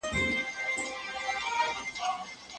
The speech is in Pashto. تفاهم د ژوند هنر دی.